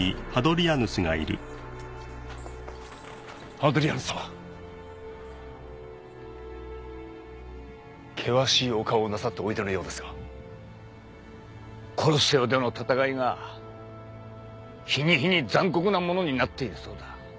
ハドリアヌス様険しいお顔をなさっておいでのようですがコロッセオでの戦いが日に日に残酷なものになっているそうだ